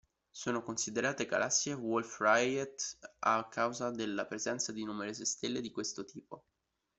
Sono considerate galassie Wolff-Rayet a causa della presenza di numerose stelle di questo tipo.